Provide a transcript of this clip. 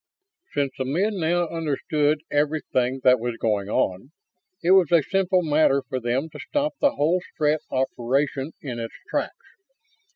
Since the men now understood everything that was going on, it was a simple matter for them to stop the whole Strett operation in its tracks.